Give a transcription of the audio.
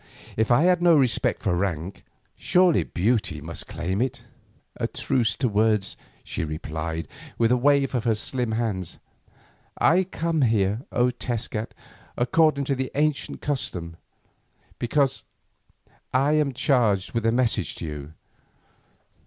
"If I had no respect for rank, surely beauty must claim it." "A truce to words," she replied with a wave of her slim hand. "I come here, O Tezcat, according to the ancient custom, because I am charged with a message to you.